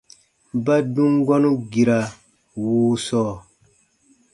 Ba dum gɔ̃nu gira wuu sɔɔ.